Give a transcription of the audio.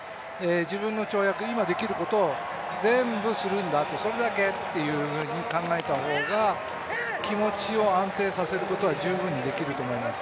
自分の跳躍、今できることを全部するんだ、それだけというふうに考えた方が気持ちを安定させることは十分にできると思います。